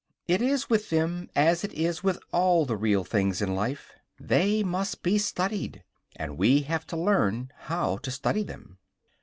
It is with them as it is with all the real things in life; they must be studied, and we have to learn how to study them.